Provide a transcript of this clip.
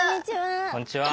こんにちは。